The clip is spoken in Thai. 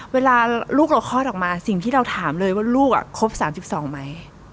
เวลาลูกเราคลอดออกมาสิ่งที่เราถามเลยว่าลูกครบ๓๒ไหม